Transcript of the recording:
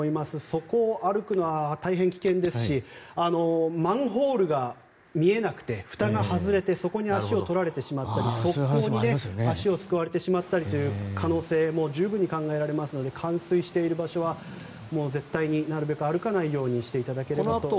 そこを歩くのは大変危険ですしマンホールが見えなくてふたが外れてそこに足を取られてしまったり側溝に足をすくわれてしまう可能性も十分に考えられますので冠水している場所はもう絶対になるべく歩かないようにしていただければと思います。